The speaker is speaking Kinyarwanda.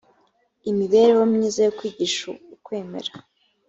imibereho myiza no kwigisha ukwemera